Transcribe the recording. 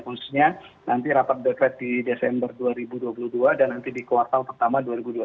khususnya nanti rapat the fed di desember dua ribu dua puluh dua dan nanti di kuartal pertama dua ribu dua puluh satu